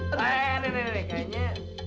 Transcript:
oh eh eh eh nih nih nih nih kayaknya